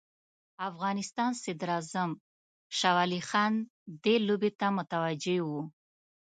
افغانستان صدراعظم شاه ولي خان دې لوبې ته متوجه وو.